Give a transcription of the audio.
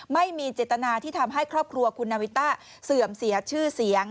ไม่มีเจตนาที่ทำให้ครอบครัวคุณนาวิต้าเสื่อมเสียชื่อเสียง